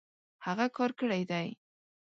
هغۀ کار کړی دی